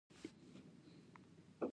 غاښونه په هاضمه کې څه رول لري